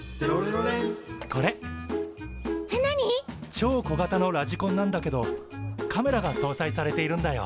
超小型のラジコンなんだけどカメラがとうさいされているんだよ。